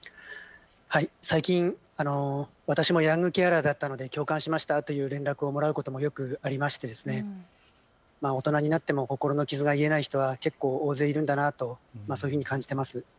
最近、私もヤングケアラーだったので共感しましたという連絡をもらうこともよくありまして大人になっても心の傷が癒えない人は結構、大勢いるんだなと、そういうふうに感じています。